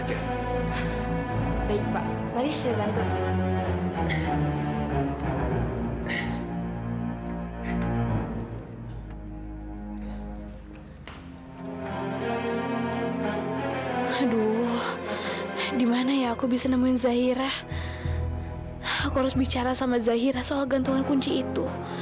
aku harus bicara sama zahira soal gantungan kunci itu